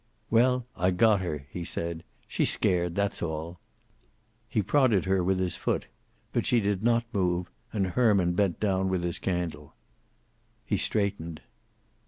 "Well, I got her," he said. "She's scared, that's all." He prodded her with his foot, but she did not move, and Herman bent down with his candle. He straightened.